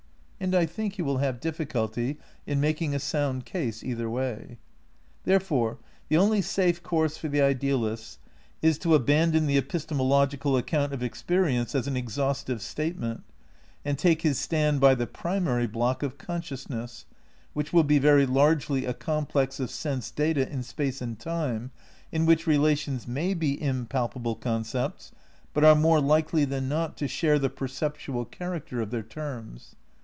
And I think he will have difficulty in mak ing a sound case either way. Therefore the only safe course for the idealist is to abandon the epistemological account of experience as an exhaustive statement, and take his stand by the primary block of consciousness, which will be very largely a complex of sense data in space and time, in which relations may be impalpable concepts, but are more likely than not to share the perceptual character VI EECONSTEUCTION OF IDEALISM 237 of their terms.